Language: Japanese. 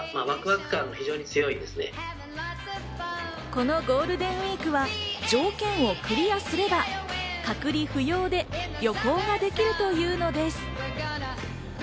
このゴールデンウイークは条件をクリアすれば、隔離不要で旅行ができるというのです。